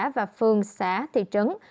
và phương xã thị trấn